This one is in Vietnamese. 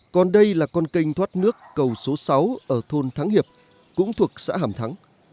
còn đây là con kênh thoát nước cầu số sáu ở thôn thắng hiệp cũng thuộc xã hàm thắng